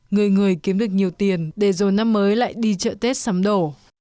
người người kiếm được nhiều tiền để rồi năm mới lại đi chợ tết sắm đổ